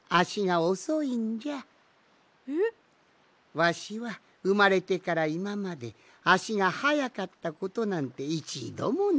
わしはうまれてからいままであしがはやかったことなんていちどもなかった。